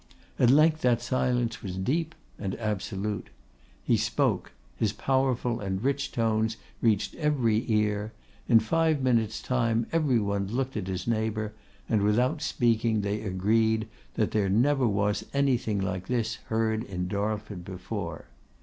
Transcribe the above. At length that silence was deep and absolute. He spoke; his powerful and rich tones reached every ear. In five minutes' time every one looked at his neighbour, and without speaking they agreed that there never was anything like this heard in Darlford before.